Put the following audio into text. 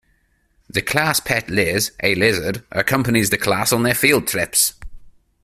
The class pet Liz, a lizard, accompanies the class on their field trips.